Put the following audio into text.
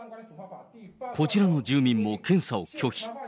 こちらの住民も検査を拒否。